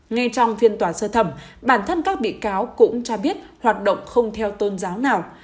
ngay trong phiên tòa sơ thẩm bản thân các bị cáo cũng cho biết hoạt động không theo tôn giáo nào